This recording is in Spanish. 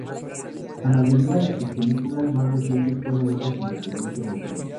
La mayoría de sus películas más recientes fueron hechas independientemente.